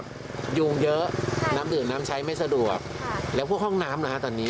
ก็ยุงเยอะน้ำดื่มน้ำใช้ไม่สะดวกแล้วพวกห้องน้ำล่ะฮะตอนนี้